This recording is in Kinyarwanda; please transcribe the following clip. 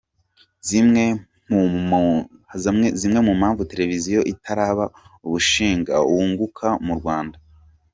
Zimwe mu mpamvu televiziyo itaraba umushinga wunguka mu Rwanda:.